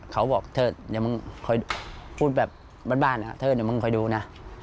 เขาบอกเถอะเดี๋ยวมึงคอยพูดแบบบ้านเถอะเดี๋ยวมึงคอยดูนะ